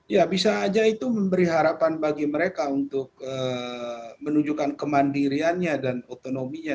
ya bisa aja itu memberi harapan bagi mereka untuk menunjukkan kemandiriannya dan otonominya